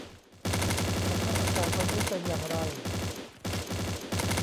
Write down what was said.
สภาพอากาศวันนี้เป็นอย่างไร